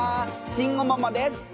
慎吾ママです。